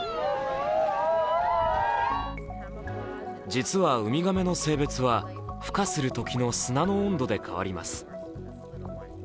実はウミガメの性別はふ化するときの砂の温度で変わります。